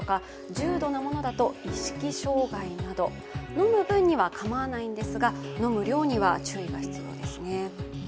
飲む分にはかまわないんですが飲む量には注意が必要ですね。